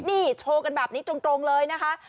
นี่โชว์กันแบบนี้ตรงเลยนะคะ